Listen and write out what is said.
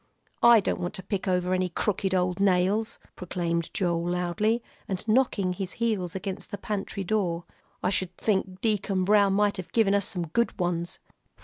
"I don't want to pick over any crooked old nails," proclaimed Joel, loudly, and knocking his heels against the pantry door. "I sh'd think Deacon Brown might have given us some good ones."